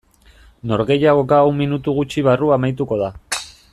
Norgehiagoka hau minutu gutxi barru amaituko da.